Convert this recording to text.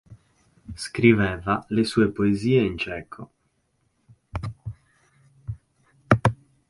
Scriveva le sue poesie in ceco.